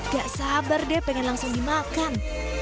gak sabar deh pengen langsung dimakan